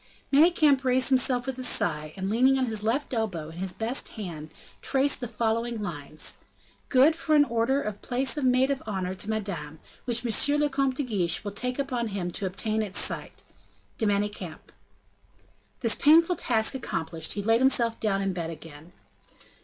Manicamp raised himself with a sigh, and leaning on his left elbow, in his best hand, traced the following lines: "Good for an order for a place of maid of honor to Madame, which M. le Comte de Guiche will take upon him to obtain at sight. DE MANICAMP." This painful task accomplished, he laid himself down in bed again.